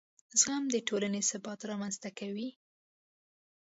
زغم د ټولنې ثبات رامنځته کوي.